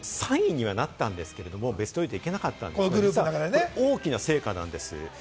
３位にはなったんですけれども、ベスト８には行けなかったんですけれど大きな成果なんです。